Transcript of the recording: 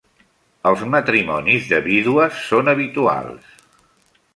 Els matrimonis de vídues són habituals.